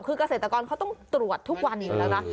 คือเกษตรกรเขาต้องตรวจทุกวันอยู่แล้วนะ